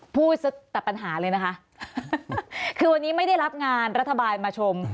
พูดซะแต่ปัญหาเลยนะคะคือวันนี้ไม่ได้รับงานรัฐบาลมาชม